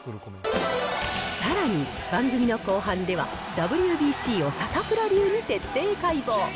さらに、番組の後半ではＷＢＣをサタプラ流で徹底解剖。